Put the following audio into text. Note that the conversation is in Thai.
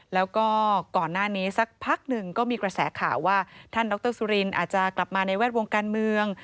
แล้วก็ก่อนหน้านี้สักพักหนึ่งก็มีกระแสข่าวว่าท่านดรสุรินอาจจะกลับมาในแวดวงการเมือง